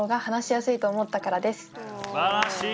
すばらしい！